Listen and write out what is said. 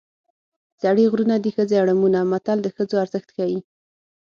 سړي غرونه دي ښځې اړمونه متل د ښځو ارزښت ښيي